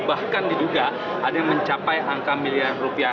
bahkan diduga ada yang mencapai angka miliar rupiah